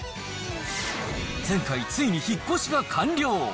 前回、ついに引っ越しが完了。